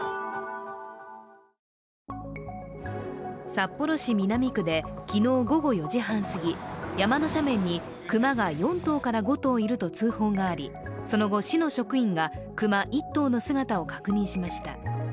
札幌市南区で昨日午後４時半すぎ山の斜面にクマが４頭から５頭いると通報があり、その後、市の職員がクマ１頭の姿を確認しました。